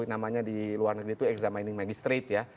namanya di luar negeri itu examining magistrate ya